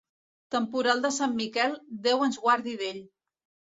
Temporal de Sant Miquel, Déu ens guardi d'ell.